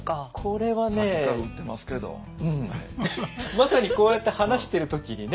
まさにこうやって話してる時にね